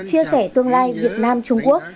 chia sẻ tương lai việt nam trung quốc